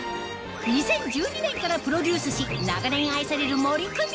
２０１２年からプロデュースし長年愛される森クミ